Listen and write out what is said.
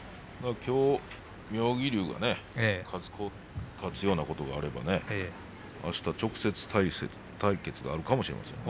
きょう妙義龍が勝つようなことがあればあすは直接対決があるかもしれませんね